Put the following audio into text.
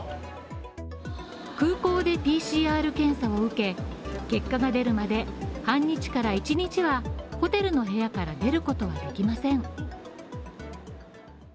空港でＰＣＲ検査を受け、結果が出るまで半日から１日はホテルの部屋から出ることはできません。